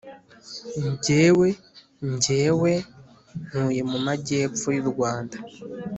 - gewe / ngewe ntuye mu magepfo y‟u rwanda.